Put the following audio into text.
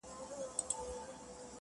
راځه چې ددرانه عمر په غوږ کې اذان وکړو